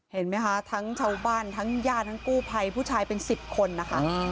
เห็นมั้ยคะทั้งเจ้าบ้านทั้งย่านทั้งกู้ภัยผู้ชายเป็น๑๐คนนะคะ